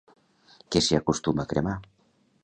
Què s'hi acostuma a cremar?